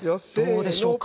どうでしょうか。